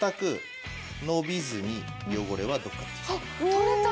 取れた！